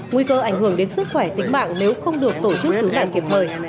nguy cơ ảnh hưởng đến sức khỏe tính mạng nếu không được tổ chức cứu nạn kiếp mời